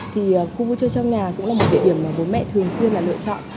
thì khu vui chơi trong nhà cũng là một địa điểm mà bố mẹ thường xuyên là lựa chọn